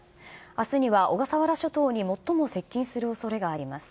あすには小笠原諸島に最も接近するおそれがあります。